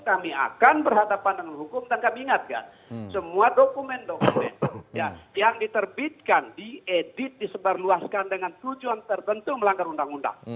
kami akan berhadapan dengan hukum dan kami ingatkan semua dokumen dokumen yang diterbitkan diedit disebarluaskan dengan tujuan tertentu melanggar undang undang